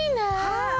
はい！